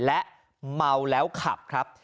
และเมาแล้วขับครับ